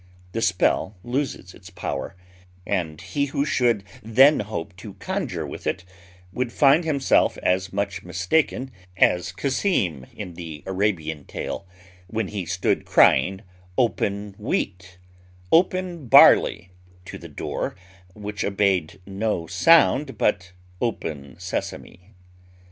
The spell loses its power; and he who should then hope to conjure with it would find himself as much mistaken as Cassim in the Arabian tale, when he stood crying, 'Open Wheat,' 'Open Barley,' to the door which obeyed no sound but 'Open Sesame.'